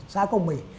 xã công mỹ